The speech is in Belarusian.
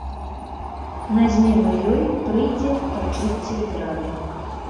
На змену ёй прыйдзе пачуцце здрады.